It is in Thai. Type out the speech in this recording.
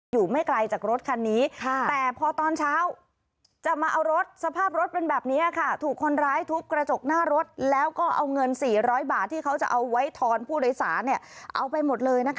อยู่ไม่ไกลจากรถคันนี้ค่ะแต่พอตอนเช้าจะมาเอารถสภาพรถเป็นแบบนี้ค่ะถูกคนร้ายทุบกระจกหน้ารถแล้วก็เอาเงินสี่ร้อยบาทที่เขาจะเอาไว้ทอนผู้โรยศาสตร์แล้วก็เอาเงินสี่ร้อยบาทที่เขาจะเอาไว้ทอนผู้โรยศาสตร์